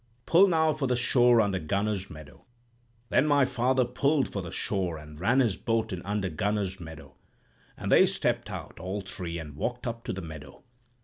Pull now for the shore under Gunner's Meadow.' "Then my father pulled for the shore and ran his boat in under Gunner's Meadow. And they stepped out, all three, and walked up to the meadow.